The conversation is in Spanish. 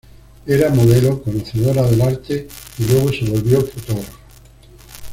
Era modelo, conocedora del arte y luego se volvió fotógrafa.